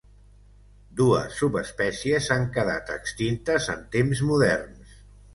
Dues subespècies han quedat extintes en temps moderns.